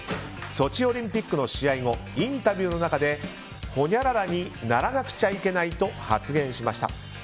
ソチオリンピックの試合後インタビューの中でほにゃららにならなくちゃいけないと発言しました。